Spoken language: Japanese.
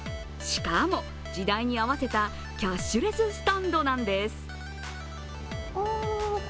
しかも時代に合わせたキャッシュレススタンドなんです。